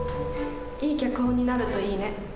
いい脚本になるといいね。